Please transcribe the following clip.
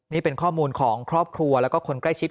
นี่เป็นข้อมูลของครอบครัวแล้วก็คนใกล้ชิด